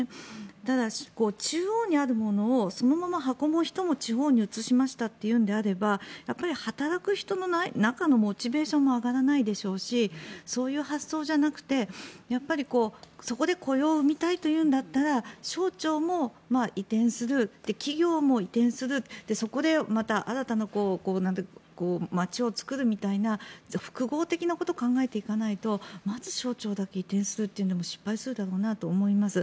ただ、中央にあるものをそのまま運ぶ人も地方に移しましたというのであれば働く人の中のモチベーションも上がらないでしょうしそういう発想じゃなくてそこで雇用を生みたいというんだったら省庁も移転する企業も移転する、そこでまた新たな街を作るみたいな複合的なことを考えていかないとまず省庁だけ移転するのも失敗するだろうなと思います。